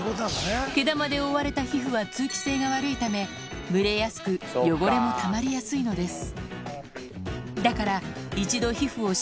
毛玉で覆われた皮膚は通気性が悪いため、蒸れやすく、汚れもたまりやすいのです。